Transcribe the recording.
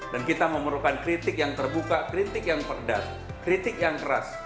dan kita memerlukan kritik yang terbuka kritik yang pedas kritik yang keras